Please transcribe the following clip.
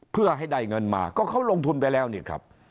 เพื่อให้ได้เงินมาก็เขาลงทุนไปแล้วนี่ครับ